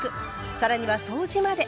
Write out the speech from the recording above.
更には掃除まで。